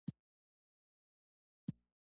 دلته غم د لوږې نشته